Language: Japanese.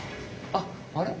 あっあれ？